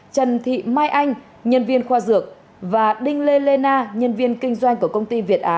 trần thị mai anh nhân viên khoa dược và đinh lê lê na nhân viên kinh doanh của công ty việt á